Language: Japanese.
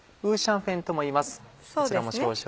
ウーシャンフェンともいいます。